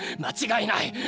間違いない！！